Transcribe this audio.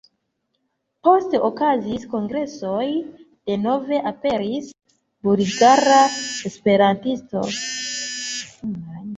Poste okazis kongresoj, denove aperis Bulgara Esperantisto.